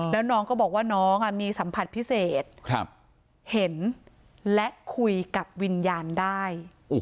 แล้วน้องก็บอกว่าน้องมีสัมผัสพิเศษเห็นและคุยกับวิญญาณได้